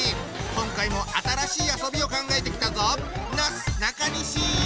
今回も新しい遊びを考えてきたぞ！